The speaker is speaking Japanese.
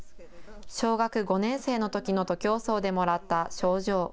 小学５年生のときの徒競走でもらった賞状。